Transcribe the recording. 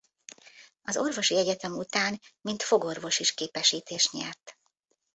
Az orvosi egyetem után mint fogorvos is képesítést nyert.